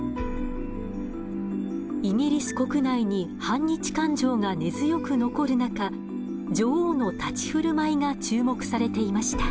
イギリス国内に反日感情が根強く残る中女王の立ち振る舞いが注目されていました。